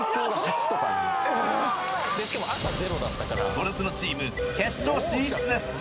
それスノチーム決勝進出です